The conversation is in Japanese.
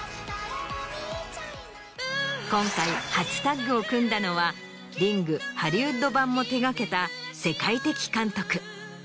今回初タッグを組んだのは『リング』ハリウッド版も手がけた。